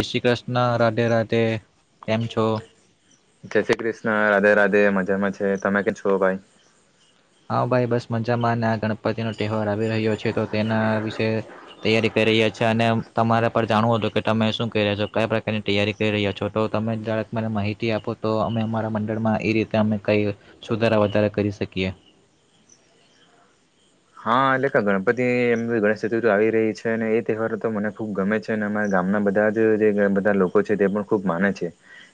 અષ્રી કૃષ્ણ રાધે રાધે. કેમ છો જય શ્રી કૃષ્ણ રાધે રાધે મજામાં છે. તમે કેમ છો ભાઈ? હા ભાઈ બસ મજામાં, અને આ ગણપતિ નો તહેવાર આવી રહ્યો છે, તો તેના વિશે તૈયારી કરી રહ્યા છે. અને તમારા પર જાણવું હતું કે તમે શું કહી રહ્યા છો? કયા પ્રકારની તૈયારી કરી રહ્યા છો? તો તમે મને માહિતી આપો તો અમે અમારા મંડળમાં એ રીતે અમે કઈ સુધારા વધારા કરી શકીએ. હા લેખા, ગણપતિ એમ ગણેશ ચતુર્થી આવી રહી છે. અને એ તહેવાર તો મને ખુબ ગમે છે. અને અમારા ગામના બધા જ જે બધા લોકો છે, તે પણ ખુબ માને છે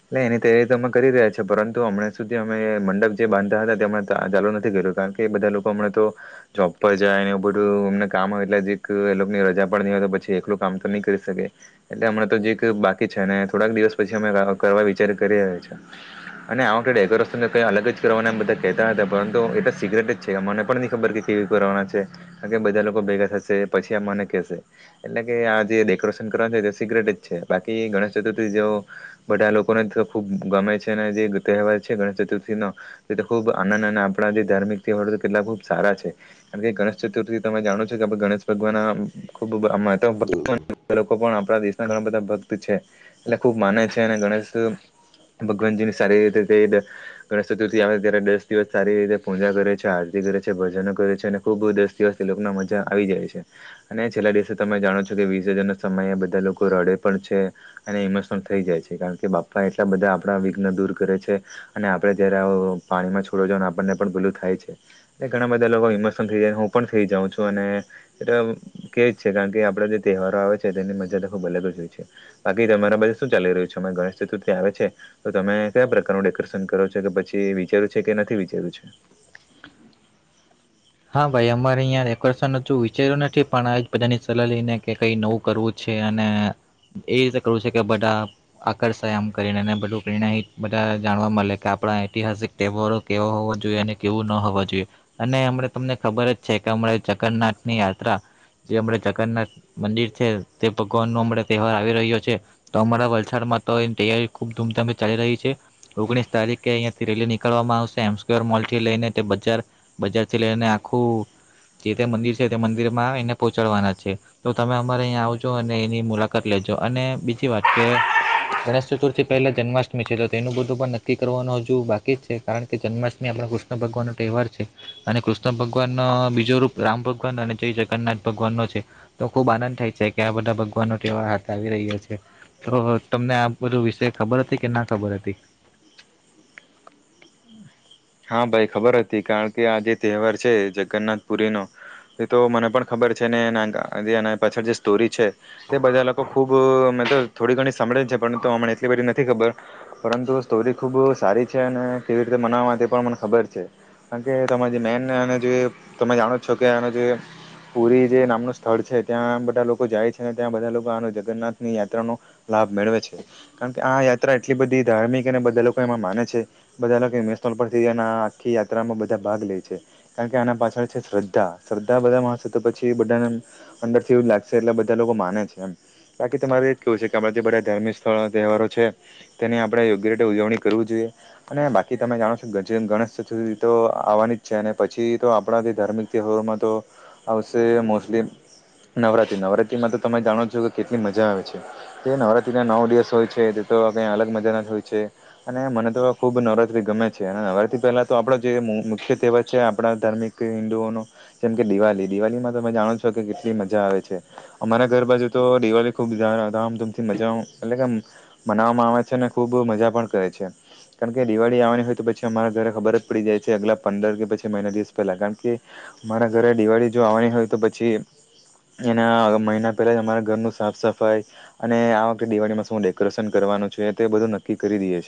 એટલે એની તૈયારી તો અમે કરી રહ્યા છે. પરંતુ હમણાં સુધી અમે મંડપ જે બાંધતા હતા તે હમણાં ચાલુ નથી કર્યું. કારણ કે એ બધા લોકો હમણાં તો જોબ પર જાય ને એવે બધું, અમને કામ હોય એટલે એની રજા પણ નહી હોય, તો પછી એકલું કામ તો નહી કરી શકે. એટલે હમણા તો જે બાકી છે ને, થોડાક દિવસ પછી અમે કરવા વિચાર કરીએ્યા છે. અને આ વખતે ડેકોરેશન ક અલગ જ કરવાના બધા કહેતા હતા. પરંતુ એ તો સિગ્રેટ જ છે મને પણ નહી ખબર કયું કરવાના છે? કે બધા લોકો ભેગા થશે પછી અમને કહેશે એટલે કે, આ જે ડેકોરેશન કરવાના છે તે સિક્રેટ જ છે. બાકી ગણેશ ચતુર્થી જે બધા લોકોને ખુબ ગમે છે. અને જે તહેવાર છે ગણેશ ચતુર્થી નો તે ખુબ આનંદ અને આપણા જે ધાર્મિક તહેવાર તેટલા ખુબ સારા છે. કારણ કે ગણેશ ચતુર્થી તમે જાણો છો કે, આપ ગણેશ ભગવાન ખુબ ભક્ [inaudible] લોકો પણ આપણા દેશના ઘણા બધા ભક્ત છે. એટલે ખુબ માને છે અને ગણેશ ભગવાનજી ની સારી રીતે તે, ગણેશ ચતુર્થી આવે ત્યારે દસ દિવસ સારી રીતે પૂજા કરે છે, આરતી કરે છે, ભજનો કરે છે. અને ખૂબ દસ દિવસથી લોકો મજા આવી જાય છે. અને છેલ્લા દિવસે તમે જાણો છો કે વિસર્જન સમયે બધા લોકો રડે પણ છે. અને ઇમોશન થઈ જાય છે. કારણ કે બાપ્પા એટલા બધા આપણા વિઘ્ન દૂર કરે છે. અને આપડે જય્યારે પાણીમાં છોડો છો અને આપણને પણ પેલું થાય છે ઘણા બધા બધા લોકો ઇમોશનલ થઈ જાય. હું પણ થઈ જાઉં છું. અને એટલે કે જ છે કારણ કે આપડ જે તહેવારો આવે છે. તેની મજા ખુબ અલગ જ હોય છે. બાકી તમારા બધે શું ચાલી રહ્યું છે? અ ગણેશ ચતુર્થી આવે છે, તો તમે કયા પ્રકારનું ડેકોરેશન કરો છો? કે પછી વિચાર્યું છે કે, નથી વિચાર્યું છે? હા ભાઈ અમારે અહીંયા ડેકોરેશન નું હજુ વિચાર્યુ નથી, પણ આ જ બધાની સલાહ લઈને કે કંઈ નવું કરવું છે, અને એ રીતે કરવું છે કે બધા આકર્ષાય આમ કરીને બધું પ્રેરણા બધા જાણવા મળે કે, આપણા ઐતિહાસિક તહેવારો કેવો હોવાો જોઈએ, અને કેવું ન હોવા જોઈએ, અને અમ તમને ખબર જ છે કે હમણા જગન્નાથ ની યાત્રા જે અપણા જગન્નાથ મંદિર છે તે ભગવાન નો અમણા તહેવાર આવી રહ્યો છે. તો અમારા વલસાડમાં તોની તૈયારી ખુબ ધૂમધમે ચાલી રહી છે. ઓગણીસ તારીખે અહીંથી રેલી નીકળવામાં આવશે એમસ્કવેર મોલ થી લઈને તે બજાર બજા એટલે એને આખું જે તે મંદિર છે તે મંદિર માં આવી એને પહોંચાડવાના છે, તો તમે અમારે અહીંયા આવજો અને એની મુલાકાત લેજો. અને બીજી વાત કે ગણેશ ચતુર્થી પહેલા જન્માષ્ટમી છે. તો તે એનું બધું પણ નક્કી કરવાનું હજુ બાકી જ છે. કારણ કે જન્મા્ટમી આપણા કૃષ્ણ ભગવાનનો તહેવાર છે. અને કૃષ્ણ ભગવાન નો બીજો રૂપ રામ ભગવાન, અને જૈ જગન્નાથ ભગવાન નો છે. તો ખુબ આનંદ થાય છે કે આ બધા ભગવાનો તહેવાર હાથ આવી રહ્યા છે. તો તમને આ બધું વિષય ખબર હતી કે ના ખબર હતી? હા! ભાઈ ખબર હતી કારણ કે આ જે તહેવાર છે, જગન્નાથ પુરીનો એ તો મને પણ ખબર છે ને, એના પાછળ જે સ્ટોરી છે. તે બધા લોકો ખૂબ મેં તો થોડી ઘણી સાંભળે છે. પરંતુ હમને એટલી બધી નથી ખબર પરંતુ સ્ટોરી ખૂબ સારી છે અને કેવી રીતે મનાવવા માટે હા, મને ખબર છે કારણ કે જે મેન તમે જાણો છો કે, આનું જે પુરી જે નામનું સ્થળ છે ત્યાં બધા લોકો જાય છે. અને ત્યાં બધા લોકો આ જગન્નાથની યાત્રાનો લાભ મેળવે છે. કારણ કે આ યાત્રા એટલી બધી ધાર્મિક અને બધા લોકો એમાં માને છે બધા લોકો [inaudible] આખી યાત્રામાં બધા ભાગ લે છે. કારણ કે આના પાછળ છે શ્રદ્ધા, શ્રદ્ધા બધા મારશે તો પછી બધાને અંદર થી એવું લાગશે એટલે બધા લોકો માને છે. એમ બાકી તમારે એ જ કેવું છે કે આપણાથી બધા ધાર્મિક સ્થળો તહેવારો છે. તેની આપણે યોગ્ય રીતે ઉજવણી કરવી જોઈએ અને બાકી તમે જાણો છો જેમ ગણેશ ચતુર્થી તો આવવાની જ છે, અને પછી તો આપણાથી ધાર્મિક તહેવારોમાં તો, આવશે મોસ્ટલી નવરાત્રી, નવરાત્રીમાં તો તમે જાણો છો કે કેટલી મજા આવે છે, જે નવરાત્રીના નવ દિવસ હોય છે તે તો ક્યાં અલગ મજાના જ હોય છે. અને મને તો ખૂબ નવરાત્રિ ગમે નવરાત્રી પહેલા તો આપણો જે મુખ્ય તહેવાર છે, આપણા ધાર્મિક હિન્દુઓનો જેમ કે દિવાળી, દિવાળીમાં તમે જાણો છો કે કેટલી મજા આવે છે. અમારા ઘર બાજુ તો દિવાળી ખૂબ ધામધૂમથી મજા એટલે કે મનાવવામાં આવે છે. અને ખુબ મજા પણ કરે છે કારણ કે દિવાળી આવવાની હોય તો પછી અમારા ઘરે ખબર જ પડી જાય છે. આગલા પંદર કે પછી મહિના દિવસ પહેલાં કારણ કે, અમારા ઘરે દિવાળી જો આવવાની હોય તો પછી એના મહિના પહેલાં જ અમારા ઘરનું સાફ સફાઈ અને આ વખતે દિવાળીમાં શું હું ડેકોરેશન કરવાનું છ છે, એ તો એ બધું નક્કી કરી દઈએ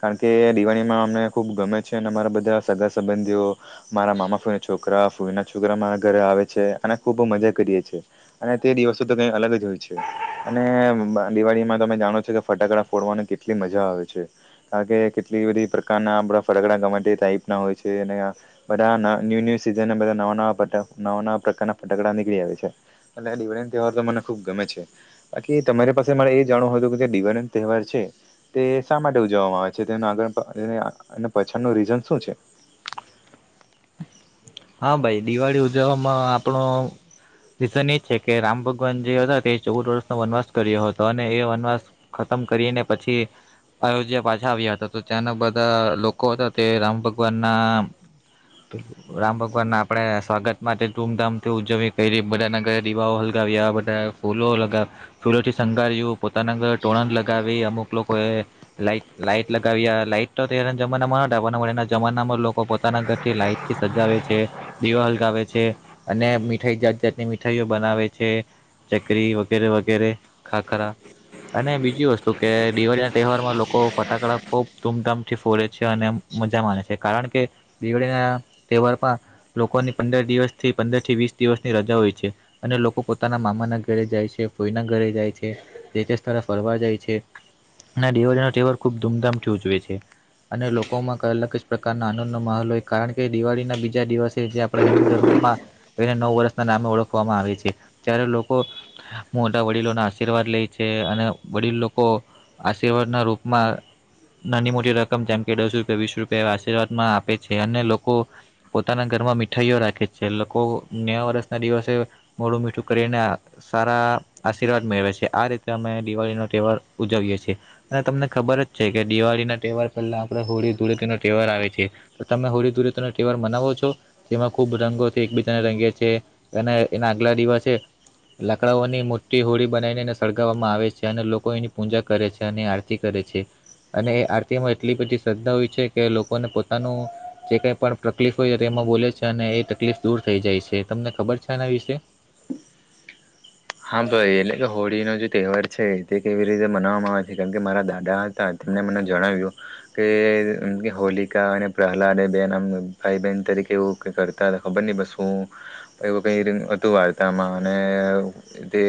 કારણ કે દિવાળીમાં અમને ખૂબ ગમે છે. અને મારા બધા સગા સંબંધીઓ મારા મામા, ફૂઈના છોકરા ફૂઈના છોકરા મારા ઘરે આવે છે. અને ખૂબ મજા કરીએ છેએ અને તે દિવસો તો કંઈ અલગ જ હોય છે. અને દિવાળીમાં તમે જાણો છો કે ફટાકડા ફોડવાની કેટલી મજા આવે છે. કારણ કે કેટલી બધી પ્રકાર ના આપ ફટકડા [inaudible] ટાઈપ ના હોય છે. અને બધા ન્યૂ ન્યૂ સીઝન બધા નવા નવા પ્રકારના ફટકડા નીકળી આવે છે. એટલે આ દિવાળી નો તહેવાર તો મને ખુબ ગમે છે. બાકી તમારી પાસે મારે એ જાણવું હતું કે જે દિવાળી નો તહેવાર છે તે શા માટે ઉજવવામાં આવે છે? તે આગળ અને પાછળ નું રીઝન શું છે? હા, ભાઈ દિવાળી ઉજવવામાં આપણો રિઝન એજ છે કે, રામ ભગવાન જે હતા તે ચૌદ વર્ષનો વનવાસ કર્યો હતો, અને એ વનવાસ ખતમ કરીને પછી આયોધ્યા પાછા આવ્યા હતા, તો ત્યાંના બધા લોકો હતા તે રામ ભગવાનના, રામ ભગવાનને આપણે સ્વાગત માટે ધૂમધામથી ઉજવી કઈ રી બધાના ઘરે દીવાઓ હલગાવ્યા બધા ફૂલો લગાવ ફૂલોથી શંગાર્યું, પોતાના ઘરે ટોણણ લગાવી, અમુક લોકોએ લાઈટ લાઈટ લગાવ્યા લાાઈટ તો, અતારના જમાનામાં એના જમાનામાં લોકો પોતાના ઘરથી લાઈટ, [inaudible] જે છે દિવા લગાવે છે અને મીઠાઈ જાત જાતની મીઠાઈઓ બનાવે છે ચકરી વગેરે, વગેરે ખાખરા અને બીજી વસ્તુ કે દિવાળી ના તહેવારમાં લોકો ફટાકડા ખૂબ ધૂમધામથી ફોડે છે. અને મજા માને છે કારણ કે દિવાળીના તહેવારમાં લોકોની પંદર દિવસ થી પંદર થી વીસ દિવસની રજા હોય છે. અને લોકો પોતાના મામા ના ઘરે જાય છે. ફઈના ઘરે જાય છે. જે તે સ્થળ ફરવા જાય છે. અને દેવાળીનો તહેવાર ખુબ ધૂમધામથી ઉજવે છે અને લોકોમાં અલગ જ પ્રકારના આનંદ નો માહોલ હોય કારણ કે દિવાળીના બીજા દિવસે, જે આપણા હિન્દુ ધર્મમાં એને નવ વર્ષના નામે ઓળખવામાં આવે છે. ત્યારે લોકો મોટા વડીલોના આશીર્વાદ લે છે અને વડીલ લોકો આશીર્વાદના રૂપમાં નાની મોટી રકમ જેમ કે દસ રૂપિયા વીસ રૂપિયા એ આશીર્વાદમાં આપે છે અને લોકો પોતાના ઘરમાં મીઠાઈઓ રાખે છે. લોકો નયા વર્ષના દિવસે મોડું મીઠું કરીને સારા આશીર્વાદ મેળવે છે આ રીતે અમે દિવાળીનોો તહેવાર ઉજવીએ છ છેીએ અને તમને ખબર જ છે કે દિવાળી ના તહેવાર પહેલા આપે હોળી ધૂળીનો તહેવાર આવે છે તો તમે હોળી ધૂળી તહેવાર મનાવો છો, જેમાં ખુબ રંગોથી એકબીજાને રંગે છે, અને એના આગલા દિવસે લાકડાઓની મોટી હોળી બનાવીને એને સળગાવવામાં આવે છે. અને લોકો એની પૂજા કરે છે, અને આરતી કરે છે, અને એ આરતીમાં એટલી બધી શ્રદ્ધા હોય છે, કે લોકોને પોતાનું જે કાઇ પણ તકલીફ હોય છે, તો એમાં બોલે છે અને એ તકલીફ દૂર થઈ જાય છે, તમને ખબર છે એના વિશે? હા ભાઈ, એટલે કે હોળી નો જે તહેવાર છે તે કેવી રીતે મનાવવામાં આવે છે. કારણ કે મારા દાદા હતા તેમને મને જણાવ્યું કેમ કે હોલિકા અને પ્રહલાદે બેન આમ ભાઈ બહેન તરીકે એવું ક કરતા હતા. ખબર નહી બસ શું એવું કઈ હતું વાર્તામાં, અને તે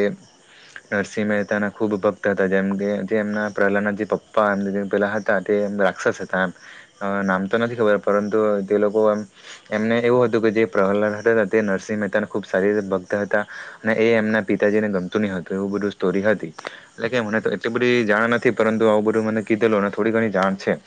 નરસિંહ મહેતાના ખુબ ભક્ત હતા. જેમ કે, જે એમના પ્રહલાદ જે પપ્પા જે પહેલા હતા તે રાક્ષસ હતા, એમ નામ તો નથી ખબર પરંતુ જે લોકો મ એમને એવું હતું કે જે પ્રહલાદ હતા તે નરસિંહ મહેતાના ખુબ સારીતે ભક્ત હતા અને એ એમના પિતાજીને ગમતું નઈ હતું. એવું બધું સ્ટોરી હતી, એટલે કે મને તો એટલી બધી જાણ નથી. પરંતુ આવું બધું મને કીધેલુંને થોડી ઘણી જાણ છે.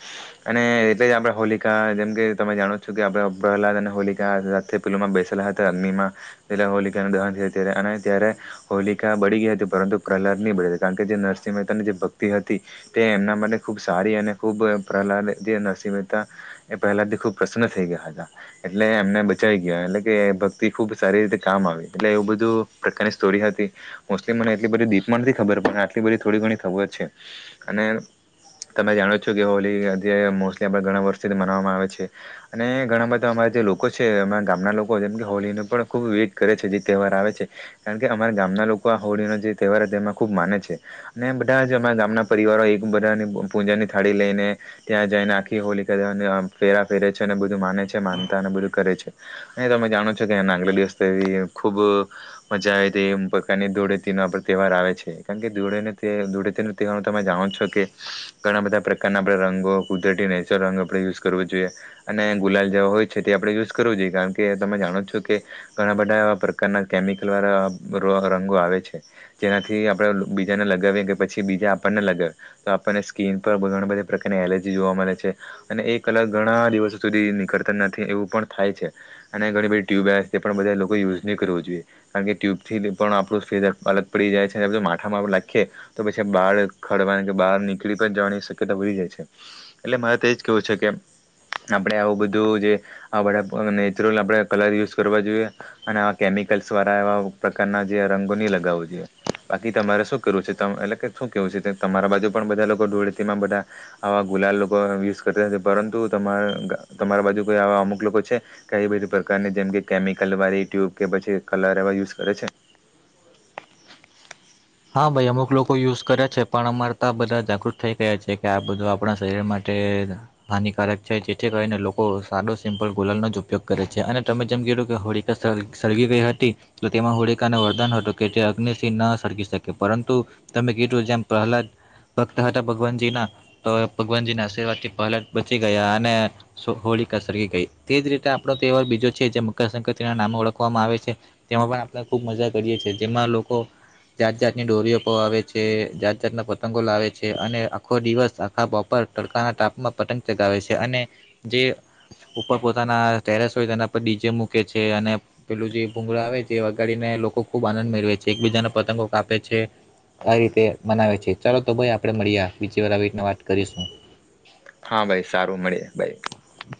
અને એટલે જ આપણે હોલિકા જેમકે તમે જાણો છો કે, આપણે પ્રહલાદ અને હોલિકા સાથે પેલુંમાં બેસેલા હતા અગ્નિમાં એટલે હોલિકાનું દહન થય ત્યારે અને ત્યારે હોલિકા બળી ગઈ હતી. પરંતુ પ્રહલાદ નહી બળ્યો કારણ કે જે નરસિંહ મહેતાની જે ભક્તિ હતી, તે એમના માટે ખુબ સારી અને ખૂબ પ્રહલાદ જે નરસિંહ મહેતા એ પ્રહલાદ થી ખુબ પ્રસન્ન થઈ ગયા હતા. એટલે એમને બચાઈ ગયા, એટલે કે ભક્તિ ખુબ સારી રીતે કામ આવી એટલે એવું બધું પ્રકારની સ્ટોરી હતી. મોસ્ટલી મને એટલી બધી દીપમાં નથી ખબર, પણ આટલી બધી થોડી ઘણી ખબર છે, અને તમે જાણો છો કે, હોલી જે મોસ્ટલી આપ ઘણા વર્ષથી મનાવામાં આવે છે અને ઘણા બધા અમારા જે લોકો છે અમારા ગામના લોકો જેમ કે, હોલીને પણ ખુબ વેઇટ કરે છે જે તહેવાર આવે છે. કારણ કે અમારા ગામના લોકો આ હોળીનો જે તહેવાર છે તેમાં ખૂબ માને છે. અને બધા જ અમારા ગામના પરિવારો એક બધાની પૂજાની થાળી લઈને, ત્યાં જઈને આખી હોળી [inaudible] ફેરા ફેરે છે. અને બધું માને છે માનતા અને બધું કરે છે. અને તમે જાણો છો કેના આગલે દિવસથી ખૂબ મજા આવે તે એ પ્રકારની ધૂળેતીનો આપણ તહેવાર આવે છે. કારણ કે ધૂળે ધૂળેતીનો તહેવાર તમે જાણો છો કે, ઘણા બધા પ્રકારના આપણે રંગો, કુદરતી નેચરલ રંગ આપણે યુઝ કરવો જોઈએ, અને ગુલાલ જેવા હોય છે તે આપણે યુઝ કરવો જોઈએ. કારણ કે તમે જાણો છો કે, ઘણા બધા એવા પ્રકારના કેમિકલ સલવાર ર [inaudible] રંગો આવે છે જેનાથી આપણે બીજાને લગાવીએ કે પછી, બીજા આપણને લગાવીએ તો આપણને સ્કીન પર ઘણા બધા પ્રકારની એલર્જી જોવા મળે છે. અને એ કલર ઘણા દિવસો સુધી નીકળતા નથી એવું પણ થાય છે. અને ઘણી બધી ટ્યુબવેલ્સ તે પણ બધા લોકોએ યુઝ નહીં કરવું જોઈએ. કારણ કે ટ્યુબથી પણ આપણું ફેસ અલગ પડી જાય છે. અને માથામાં નાખીએ તો પછી બહાર ખડવાની કે બહાર નીકળી પણ જવાની શક્યતા વધી જાય છે. એટલે મારે તો એજ કેવું છે કે આપણે આવું બધું જે બધા નેચરલ આપણે કલર યુઝ કરવા જોઈએ અને આ કેમિક લ્સ વાળા એવા પ્રકારના જે રંગો નહીં લગાવવો જોઈએ. બાકી તમારે શું કરવું છે? એટલે કે શું કેવું છે? તમારા બાજુ પણ બધા લોકો ધૂળતીમાં બધા આવા ગુલાલ લોકો યુઝ કરતા હશે પરંતુ તમારા બાજુ કોઈ આવા અમુક લોકો છે, કેઈ બધી પ્રકારની જેમ કે કેમિકલ વાળી ટ્યુબ કે પછી‌ કલર એવા યુઝ કરે છે? હા ભાઈ, અમુક લોકો યુઝ કરે છે. પણ અમારા તા બધા જાગૃત થઈ ગયા છે, કે આ બધું આપણા શરીર માટે હાનિકારક છે. જેથી કરીને લોકો સારો સિમ્પલ ગુલાલનો જ ઉપયોગ કરે છે. અને તમે જેમ કીધું કે હોલિકા સળગી ગઈ હતી. તો તેમાં હોળિકાને વરદાન હતું કે, તે અગ્નિથી ન સળગી શકે. કે પરંતુ તમે કીધું જેમ પ્રહલાદ ભક્ત હતા. ભગવાનજીના તો ભગવાનજીના આશીર્વાદથી પ્રહલાદ બચી ગયા. અને હોળિકા સળગી ગઈ. તે જ રીતે આપણો તહેવાર બીજો છે, જે મકરસંક્રિના નામ ઓળખવામાં આવે છે. તેમાં પણ આપણે ખૂબ મજા કરીએ છેએ જેમાં લોકો જાત જાત ની ડોરીઓ આવે છે. જાત જાતના પતંગો લાવે છે. અને આખો દિવસ આખા બપોર તડકાના ટાપમાં પતંગ ચગાવે છે. અને જે ઉપર પોતાના ટેરેસ હોય તેના પર ડીજે મૂકે છે, અને પેલું જે ભૂંગળ આવે જે વગાડીને લોકો ખુબ આનંદ મેળવે છે. એકબીજા પતંગો કાપે છે. આવી રીતે મનાવે છે. ચાલો તો, ભાઈ આપણે મળીએ બીજી વાર આવી રીતના વાત કરીશું. હા ભાઈ સારું, મળી ભાઈ.